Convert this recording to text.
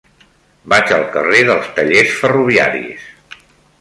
Vaig al carrer dels Tallers Ferroviaris.